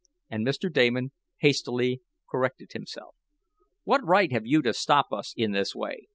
and Mr. Damon hastily corrected himself. "What right have you to stop us in this way?